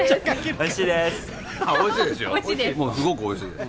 おいしいです。